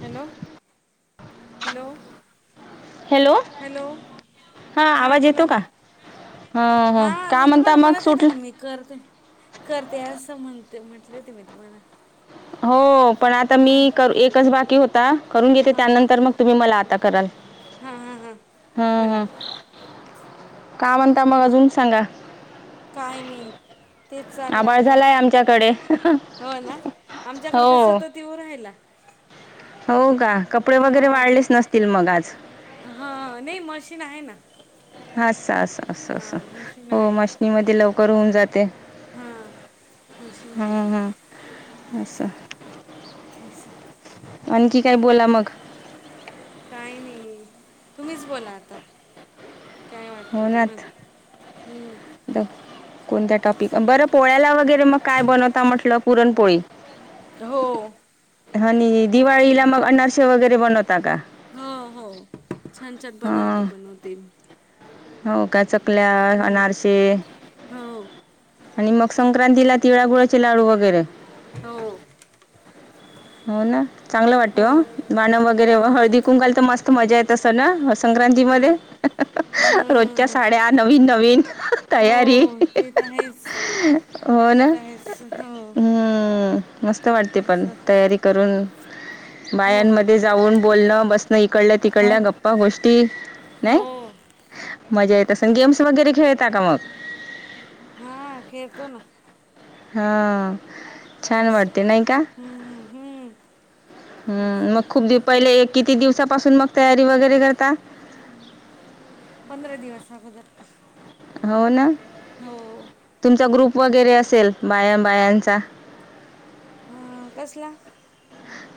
Hello! Hello! Hello hello! हां हा आवाज बोला येतो का ना. हां हां हा का मी म्हणता तुम्हाला मग म्हणत येते सुटलं ना मी करते करते असं म्हणते म्हटले होते मी तुम्हाला. हो पण आता हां मी कर एकच बाकी होता करून घेते हां हां त्यानंतर मग. तुम्ही मला आता कराल हां हां हां हम्म बोला हम्. का म्हणता मग अजून सांगा. काय नाही. तेच चाललं आभाळ आता झाला आहे आमच्याकडे हो ना आमच्याकडे तर हो सतत येऊ राहिला. हो का, कपडे वगैरे वाढलेच नसतील मग आज? हा नाही मशीन आहे ना. अस अस अस अस हां मशीन हो आहे माशनी म लवकर होऊन जाते. हां मशीन हाय की. असच. [unintelligible] आणखी काय बोला मग! काही नाही तुम्हीच बोला आता. काय वाटतं तुम्हाला होनात हम्म कोणत्या टॉपिक मस्त बरं पोळ्याला वगैरे मग काय बनवता म्हटलं पुरणपोळी. हो. आणि दिवाळीला मग अनारसे वगैरे बनवता का? हो हो छान छान पदार्थ हां बनवते. हो काय चकल्या, हम्म, अनारसे हो आणि मग संक्रांतीला तिळागुळाचे लाडू वगैरे हो हो ना चांगलं वाटतें हो गाणं वगैरे हो हळदीकुकूं ला तर मस्त मजा येत असं ना संक्रांतीमधये हं, रोजच्या हं, साड्या नवीन नवीन तयारी हो ते तर आहेच. हो ते नां तर आहेच हो हं मस्त वाटते पण असं तयारी करून हो बायामध्ये जाऊन बोलणं बसणं इकडल्या तिकडल्या गप्पा गोष्टी हो मजा येत असेल गेम्स वगैरे खेळतात का मग? हा खेळतो ना? हां छान असं वाटते नाही का? हम्म हम् - हम् मग खूप दिपावली पहिले एक किती दिवसापासून मग तयारी वगैरे करता? पंधरा दिवस अगोदर हो नां हो तुमचा ग्रुप वगैरे असेल बाया बायांचा हं कसला?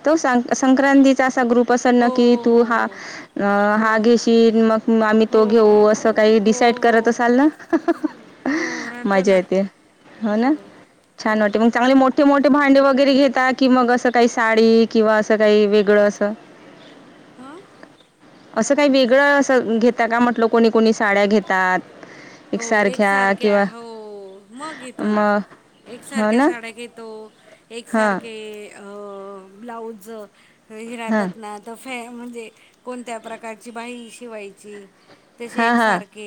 तो सांग संक्रांतीचा असा ग्रुप असेल ना हो की तू हा अ हो हो हा घेशील मग आम्ही हो हो तो घेऊ असं काही हो डिसाईड हो करत हो असालं ना. हो राहतो मजा ना येते. हो ना हो छान वाटे ऋमग चांगले मोठे मोठे भांडे वगैरे घेता कि मग असं काही साडी किंवा असं काही वेगळं असं. हां असं काही वेगळं असं घेत का म्हटलं कोणी कोणी साड्या घेतात. हो एकसारख्या हो मग घेतो ना. मग हो एकसारख्या ना साड्या घेतो. हां एकसारखे अं ब्लाऊज हे हां राहतात ना. कसं म्हणजे कोणत्या प्रकारची बाही शिवायची. तशे हां हां एकसारखे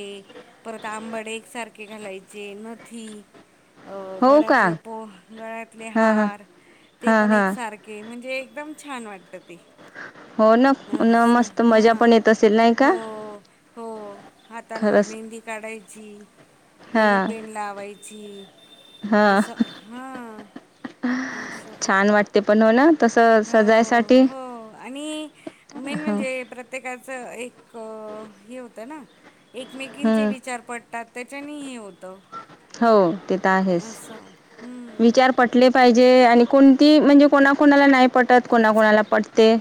परत आंबाडे एकसारखे घालायचे नथी अ हो का गळ्यातल्या पोह गळ्यातले हां हां हार ते हां पण एक हां सारखे के म्हणजे एकदम छान वाटतं ते हो ना असं मस्त मजा हां पण येत असेल नाही का? हो हो हातांवर खरंच मेहंदी काढायची, हां नेलपेंट लावायची. हां असं हा असं ते पण हो ना तसं हो सजायसाठी हो आणि मेन हो म्हणजे प्रत्येकाचं एक हे होतं ना एकमेंकीचे हं विचार ताक त्याच्याने हे होतं. हो ते तर आहेच असं हम्म, विचार पटले पाहिजे आणि कोणती म्हणजे कोणा कोणाला नाही पटत, कोणा कोणाला पटते.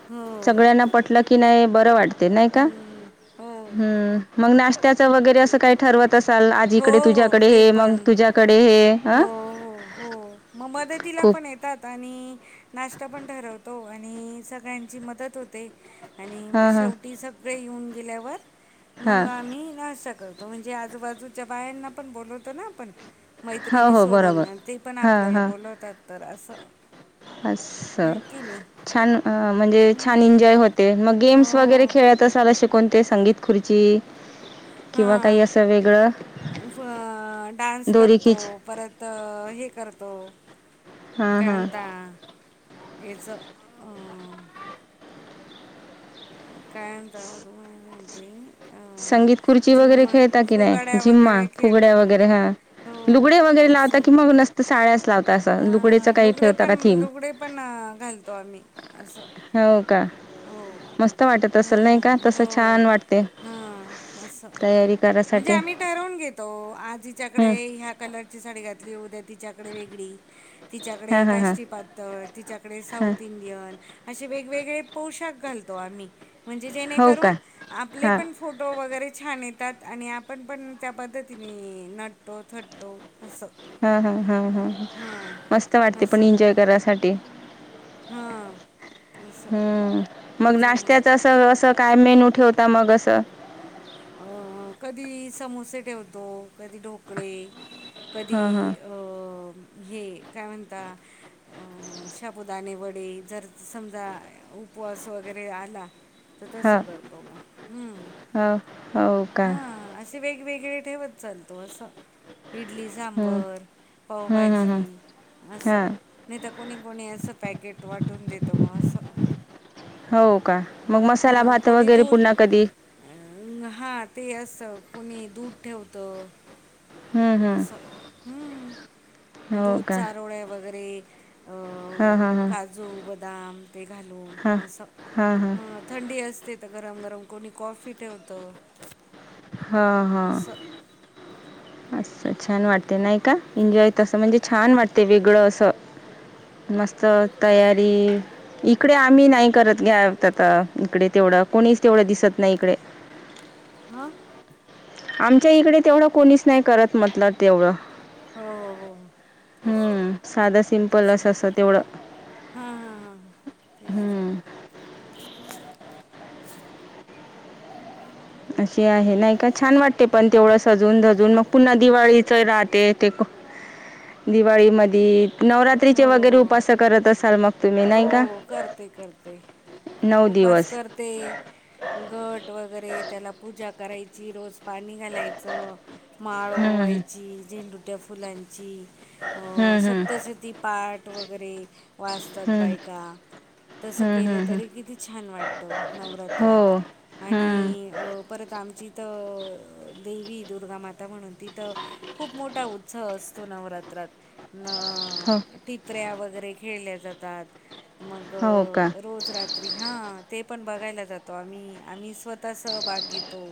[unintelligible] हो सगळ्यांना पटलं की नाही बरं वाटते नाही का? हम्म, हो हो हं मग नाही. त्याचं वगैरे असं काही, ठरवत असाल, आज इकडे, हो तुझ्याकडे ते हे, मंग पण तुझ्याकडे हे. अ हो हो हो, म मदतीला खूप पण येतात? आणि नाश्ता पण ठरवतो, आणि सगळ्यांची मदत होते. आणि म हां हां शेवटी सगळे येऊन गेल्यावर, हां मंग आम्ही नाश्ता कर तो, म्हणजे आजूबाजूच्या बायांना पण, बोलवतो ना, आपण. हो मैत्रिणी हो सोडून, बरोबर ण ते पण आपल्याला, बोलवतात तर असं. अस्स, आहे की नाही छान अ म्हणजे, छान हम्म. एन्जॉय होत ते मग गेम्स वगैरे हो खेळत असाल, अशे कोणते संगीत खुर्ची? किंवा काही हां, असं वेगळं डान्स करतो, दोरीखिच परत त हे करतो, हां काय हां म्हणता, याच काय म्हणता, [unintelligible] म्हणते संगीत खुर्ची वगैरे, खेळता की नही, फुगाड्या झिम्मा वगैरे खेळतो फुगड्या वगैरे, हां. हो लुगडे वगैरे लावता असं की, मग नसत साड्याच लावता, असं लुगडे अ लुगडे पण, लुगडे पण, घालतो आम्ही, असं. हो का, हो मस्त वाटत असल नही का, तसं छान वाटते. हं, असं तयारी म्हणजे करायसाठी आम्ही ठरवून घेतो, आज हिच्याकडे हं ह्या कलरची साडी घातली, उद्या तिच्याकडे वेगळी हां तिच्याकडे हां हां काष्टी पातळ, तिच्याकडे हां साऊथ इंडियन, अशे वेग-वेगळे पोशाख घालतो आम्ही, म्हणजे हो जेणेकरून, का आपले हां पण फोटो वगैरे छान येतात, आणि आपण पण त्या पद्धतीने, नटतो, थटतो. असं हं हं हं हं, मस्त हां वाटते, पण असं एन्जॉय करायसाठी. हां असं ह्म, मग त्याच्यामुळे नाश्त्याचं असं असं काय मेनू ठेवता, मग असं अं कधी समोसे ठेवतो, कधी ढोकळे, कधी हां अं, हे काय म्हणता अ शाबुदाने वडे, जर समजा उपवास वगैरे आला, त तस करतो म, हम्म. ह. हं, असे वेग-वेगळे ठेवत चालतो, अस. इडली हं सांबर, हं हं हं पावभाजी असं, हां नही त कोणी-कोणी, असं पॅकेट वाटून देत, ब असं. हो का, मग मसाला भात वगैरे, पुन्हा कधी? अ, हां, ते अस कोणी दूध, ठेवत. हं हं असं, हम्म हो दूध चारोळ वगैरे. अ, हं हं हं. काजू बदाम, ते घालून, अस हां हां हं थंडी असते, त गरम-गरम, कोणी कॉफी ठेवतं. हं हं. असं असं छान वाटते नही का, एनजॉय तसं, म्हणजे छान वाटते, वेगळं अस. मस्त तयारी इकडे आम्ही नाही करत, घ्या आता इकडे, तेवढं कोणीच, तेवढं दिसत नाही इकडे. अं? आमच्या इकडे, तेवढं कोणीच नही करत, म्हटलं तेवढं. हो हो हो हो तेच तर हम्म, साधं सिम्पल, त्याच्या अस-अस तेवढं. हां हां हां, तेच त. हं, अशी आहे नाही का, छान वाटते पण तेवढं सजून सजून, मग पुन्हा दिवाळीच राहते ते दिवाळी मधी,, नवरात्रीचे वगैरे हो उपास करत असाल मग तुम्ही नाही का. हो करते करते, नऊ उपास दिवस कर ते,, घट वगैरे त्याला पूजा करायची रोज पाणी घालायचं, माळ हं, ओवायची झेंडूच्या फुलांची. अ हं, हं, सप्तशती पाठ वगैरे, वाचतात हं. बाईक का,, तसं हम्म, केलं हम्म, हम्म. तरी किती छान वाटतं, नवरात्रात. हो. आणि हम्म. अ परत आमची इथं देवी दुर्गामाता म्हणून तीथं खूप मोठा उत्सव असतो नवरात्रात,, हो. अ टिपऱ्या वगैरे खेळल्या जातात, मग हो का? रोज रात त्री हा, ते पण बघायला जातो आम्ही, आम्ही स्वतः सहभाग घेतो.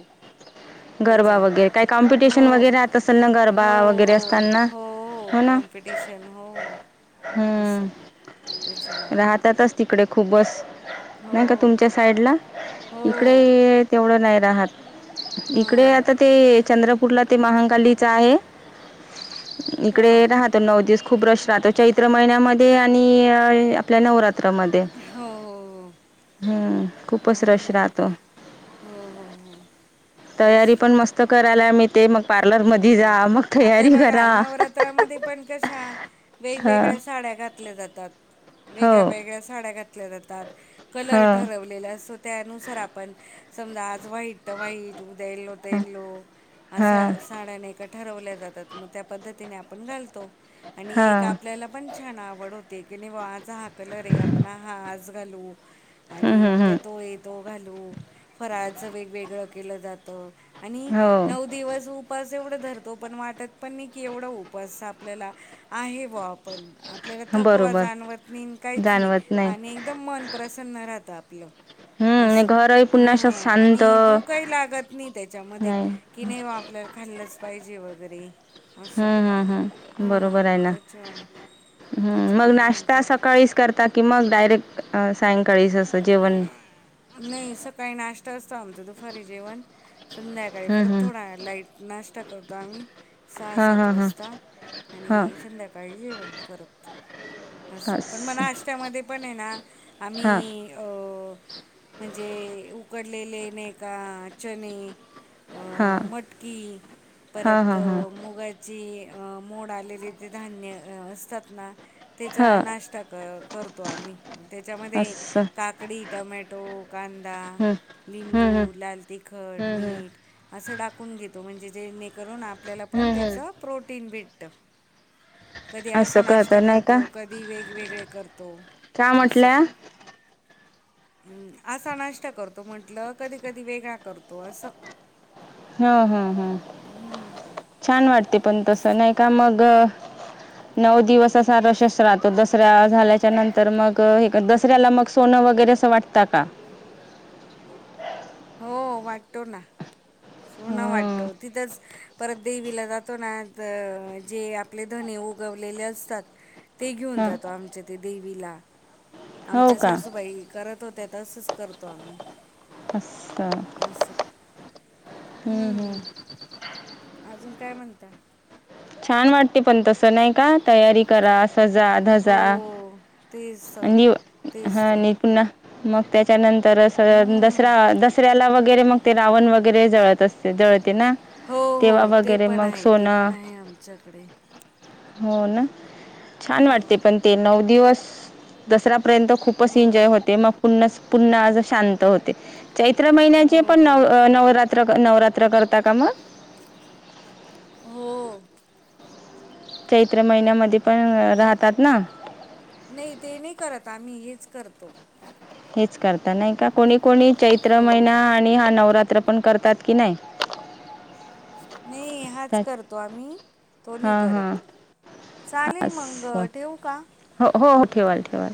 गरबा त्याच्यात वगैरे,, काही हो कॉम्पिटिशन राहत असेल ना हो गरबा वगैरे हो हो असताना. हो, कॉम्पिटिशन हो असं त्याच्यामुळे ातच तिकडे खूप बस,, नाही का हो तुमच्या साईडला,, हो इकडे तेवढं नाही राहत. इकडे हां आता ते चंद्रपूरला ते महांकालीच आहे. हा इकडे राहत तर नऊ दिवस खूप रश राहतं, चैत्र महिन्यामध्ये आणि आपल्या नवरात त्र मधे,, हो हो हो हम्म खूपच रश हम्म. राहतं. हो हो हो. तेच तयारी तर पण मस्त करायला मीळते मग पार्लर मधी जा हो मग आता हे तयारी बघा करा. नवरात्रामध्ये पण कशा हां वेगवेगळ्या साड्या घातल्या जातात. हो वेगळ्या वेगळ्या साड्या घातल्या जातात, कलर हो ठरवलेल्या अस त्यानुसार आपण, समजा आज वाईट तर वाईट उद्या येलो तर येल्लो, असा हां ते साड्या नाही का ठरवल्या जातात, मग त्या पद्धतीने आपण घालतो, आणि एक हां आपल्याला पण छान आवड होते,,, की आज हा कलर आहे आपण हा आज घालू, आणि उद्या तो तोय तो घालू, फराळाच वेगवेगळं केलं जात. आणि हो नऊ दिवस उप उपास एवढं धरतो, पण वाटत पण नाही की एवढा उपास आपल्याला आहे ब्वा पण आपल्याला थकवा बरोबर जाणवत नाही काहीच नाही, आणि एकदम मन प्रसन्न राहतं आपलं. आणि असं,, घरही पुन्हा असं हा, शांत आणि भूकही लागत नाही त्याच्या मधे, नाही कि नाही वा आपल्याला खाल्लंच पाहिजे वगैरे. असं हम्म हम् हम् हां बरोबर आहे ना, त्याच्यामुळे हम्म मग त्याच्यामुळे नाश्ता म्हणते सकाळी करता की मग डायरेक्ट, अ सायंकाळीच असं जेवण नाही सकाळी नाष्ट्ता असतो आमचा, दुपारी जेवण, संध्याकाळी हां परत थोडा लाईट नाष्ट्ता करतो आम्ही सहा हां सात हां हां वाजता, हां आणि संध्याकाळी सकाळी जेवण परत, असं, हां पण म नाष्ट्यामध्ये पण आहे ना, हां आम्ही अ म्हणजे उकडलेले नाही का चणे हां अ मटकी, हां परत हां हां मुगाची चे अ मोड आलेले ते धान्य असतात ना त्याचा हां नाश्ता क करतो आम्ही,, त्याच्यामध्ये असं काकडी, टोमॅटो, कांदा, हम्म हम्म लिंबू, हम्म. लाल तिखट हम्म हम्म मीठ. असं टाकूंन घेतो म्हणजे जेणेकरूंन आपल्याला पणं हम्म हम्म. त्यांचं प्रोटीन भेटतं. कधीं असं असां करत नाष्टां नाही करतो का कधीं वेगवेगळे करतो का असं. म्हटल्या हम्मं असां नाष्टां करतो म्हंटलं कधीं कधीं वेगळां करतो असं. हां हां हं छांन वाटते पणं तसं नाहीं कां मगं नऊ दिवसं असां दसऱ्यां झाल्यांच्या नंतर मगं हे दसऱ्यांला मगं सोनं वगैरें. असं वाटतां कां? हो वाटतो नां सोनं वाटतो तिथंच. परतं देवीला जातोना जे आपले धने उगवलेले असतांत. ते घेऊंन ह जातो आमच्यां ते देवीला. हो आमच्या का सासूबाई करतं होत्यां तसंच करतो आम्हीं. असं असं हम्म हम्म. हम्मं अजूंन कायं म्हणतां? छांन वाटते पणं तसं नाहीं कां तयारी? तयारि करां सजां धजां हो तेच तर आणि हं तेच तर आणि पुन्हां मगं त्यांच्यानंतर हम्म. दसरा दसऱ्यांला व वगैरें मगं ते रावण वगैरें जळते असते जळते नां हो तेव्हां वगैरें मगं सोनं आमच्यांकडे हो नां छांन वाटते पणं ते नऊ दिवसं दसरांपर्यंत खूपचं एन्जॉय हो होते मगं पुन्हां पुन्हां शांत होते चैत्र महिन्यांचे पणं हो नवं नवरांत्र नवरांत्र करतां कां मगं. हो चैत्र महिन्यांमध्यें पणं राहतांत नां नाहीं ते नाहीं करतं आम्हीं हेचं करतो. हेचं करतां नाहीं कां कोणी कोणी चैत्र महिना हो. आणि हां नवरांत्र पणं करतांत की नांय नाहीं हांच करतो आम्हीं तो नाहीं हां हां करतं चालेल मंग असं ठेवूं कां हो हो हो ठेवां ठेवां